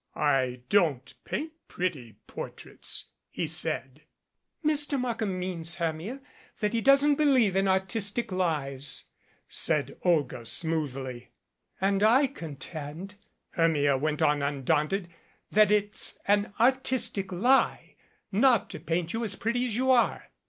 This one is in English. "I don't paint 'pretty' portraits," he said. "Mr. Markham means, Hermia, that he doesn't be lieve in artistic lies," said Olga smoothly. "And I contend," Hermia went on undaunted, "that it's an artistic lie not to paint you as pretty as you are."